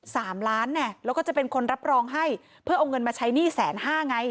สามล้านเนี่ยแล้วก็จะเป็นคนรับรองให้เพื่อเอาเงินมาใช้หนี้แสนห้าไง